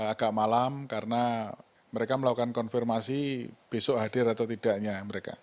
agak malam karena mereka melakukan konfirmasi besok hadir atau tidaknya mereka